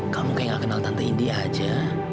kamu kayak gak kenal tante india aja